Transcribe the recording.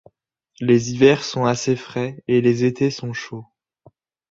Les hivers sont assez frais et les étés sont chauds.